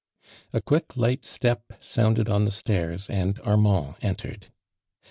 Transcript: A quick light step sounded on the stairs anil Armand entered.